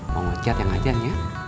pak ustadz yang azan ya